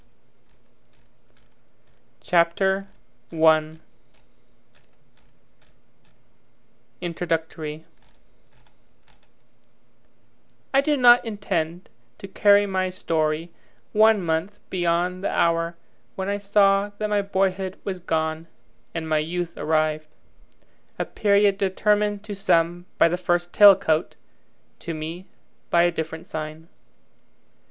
CHAPTER I Introductory I do not intend to carry my story one month beyond the hour when I saw that my boyhood was gone and my youth arrived; a period determined to some by the first tail coat, to me by a different sign.